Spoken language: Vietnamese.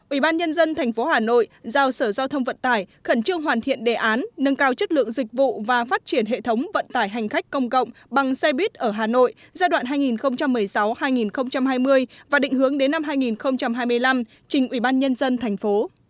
ủy ban nhân dân tp hà nội giao sở giao thông vận tải khẩn trương hoàn thiện đề án nâng cao chất lượng dịch vụ và phát triển hệ thống vận tải hành khách công cộng bằng xe buýt ở hà nội giai đoạn hai nghìn một mươi sáu hai nghìn hai mươi và định hướng đến năm hai nghìn hai mươi năm trình ủy ban nhân dân thành phố